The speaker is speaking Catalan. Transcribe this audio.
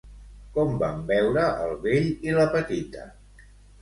Com van veure el vell i la petita?